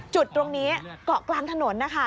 จุดตรงนี้เกาะกลางถนนนะคะ